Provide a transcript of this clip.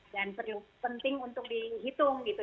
dan penting untuk dihitung gitu